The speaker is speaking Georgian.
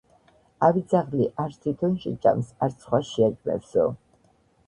ავი ძაღლი არც თითონ შეჭამს, არც სხვას შეაჭმევსო.